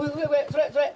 それそれ！